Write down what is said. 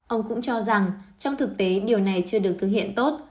ông cũng cho rằng trong thực tế điều này chưa được thực hiện tốt